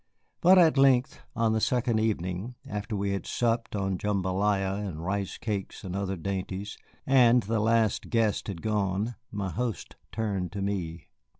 But at length, on the second evening, after we had supped on jambalaya and rice cakes and other dainties, and the last guest had gone, my host turned to me.